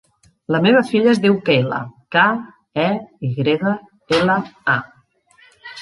La meva filla es diu Keyla: ca, e, i grega, ela, a.